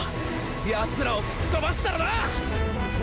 ヤツらを吹っ飛ばしたらな！